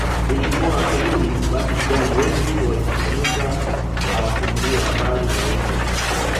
Ilikuwa akirudi basi vijana wengi walikusanyika awasimulie habari za huko